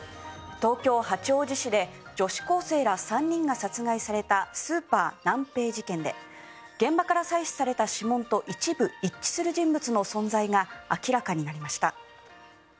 東京・八王子市で女子高生ら３人が殺害されたスーパーナンペイ事件で現場から採取された指紋と一部、一致する人物の存在が明らかになりました。